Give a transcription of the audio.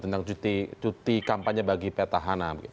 tentang cuti kampanye bagi petahana